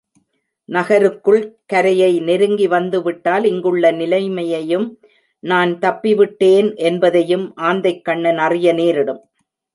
நகருக்குள் கரையை நெருங்கி வந்துவிட்டால் இங்குள்ள நிலைமையையும் நான் தப்பிவிட்டேன் என்பதையும் ஆந்தைக் கண்ணன் அறிய நேரிடும்.